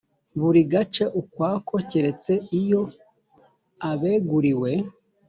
buri gace ukwako keretse iyo abeguriwe